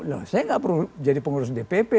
saya tidak perlu jadi pengurus dpp